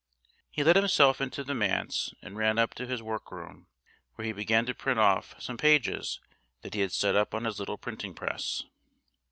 He let himself into the manse and ran up to his work room, where he began to print off some pages that he had set up on his little printing press.